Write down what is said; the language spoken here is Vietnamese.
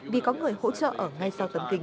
vì có người hỗ trợ ở ngay sau tấm kinh